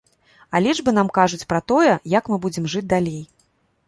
А лічбы нам кажуць пра тое, як мы будзем жыць далей.